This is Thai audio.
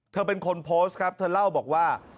เธอเป็นคนโพสต์ครับเธอเล่าบอกว่า